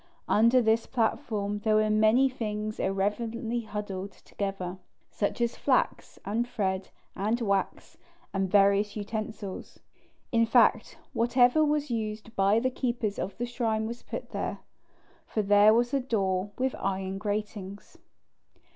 Under this platform there were many things irreverently huddled together, such as flax and thread and wax, and various utensils. In fact, whatever was used by the keepers of the shrine was put there, for there was a door with iron gratings.